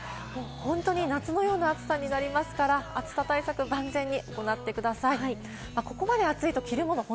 真夏のような暑さになりますから、暑さ対策は万全に行ってください。